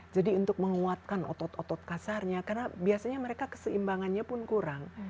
jadi untuk menguatkan otot otot kasarnya karena biasanya mereka keseimbangannya pun kurang